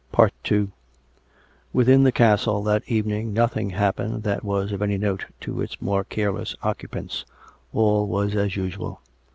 II Within the castle that evening nothing happened that was of any note to its more careless occupants. All was as usual.